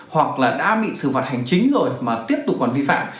hoặc là đã bị xử phạt hành chính rồi mà tiếp tục còn vi phạm